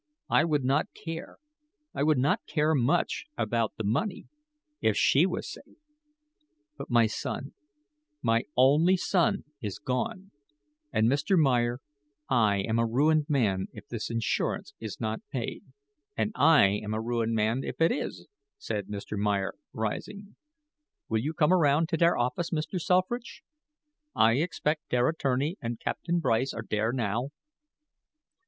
I would not care I would not care much about the money, if she was safe. But my son my only son is gone; and, Mr. Meyer, I am a ruined man if this insurance is not paid." "And I am a ruined man if it is," said Mr. Meyer, rising. "Will you come around to der office, Mr. Selfridge? I expect der attorney and Captain Bryce are dere now."